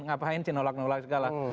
ngapain sih nolak nolak segala